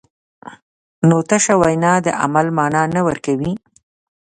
نو تشه وینا د عمل مانا نه ورکوي.